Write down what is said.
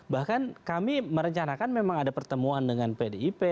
bahkan kami merencanakan memang ada pertemuan dengan pdip